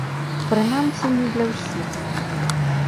Прынамсі, не для ўсіх.